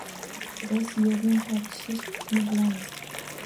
Biz yerning tortishish kuchini bilamiz.